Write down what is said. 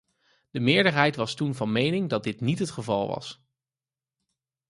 De meerderheid was toen van mening dat dit niet het geval was.